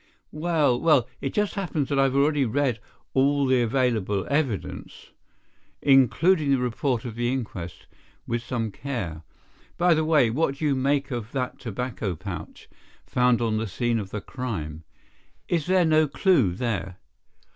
"Well, well, it just happens that I have already read all the available evidence, including the report of the inquest, with some care. By the way, what do you make of that tobacco pouch, found on the scene of the crime? Is there no clue there?"